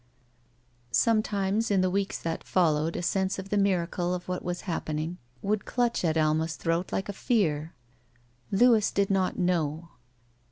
Sometimes in the weeks that followed a sense of the miracle of what was happening would clutch at Alma's throat like a fear. Louis did not know.